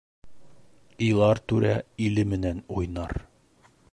Илар түрә иле менән уйнар.